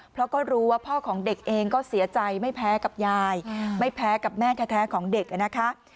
เพราะก็รู้ว่าพ่อของเด็กเองก็เสียใจไม่แพ้กับยายไม่แพ้กับแม่แท้ของเด็กนะคะ